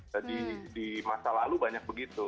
jadi di masa lalu banyak begitu